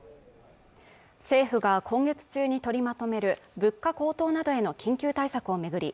政府が今月中に取りまとめる物価高騰などへの緊急対策を巡り